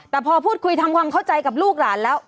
แต่พอพูดคุยทำความเข้าใจกับลูกหลานแล้ว